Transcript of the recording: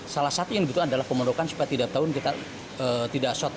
salah satunya itu adalah pemundokan supaya tiap tahun kita tidak short